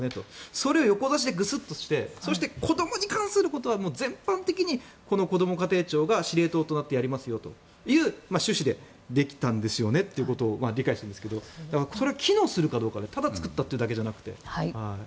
それを横刺しにして子どもに関することは全般的にこども家庭庁が指令塔となってやりますよという趣旨でできたということは理解してるんですがそれは機能するかただ作ったというだけじゃなくて。